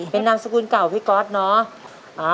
เป็นนามสกุลเก่าพี่ก๊อตเนาะ